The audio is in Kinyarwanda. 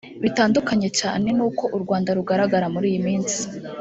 bitandukanye cyane n’uko u Rwanda rugaragara muri iyi minsi